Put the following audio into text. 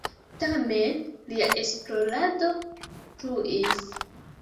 Tamen lia esplorado pluis.